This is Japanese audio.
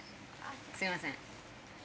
すいません。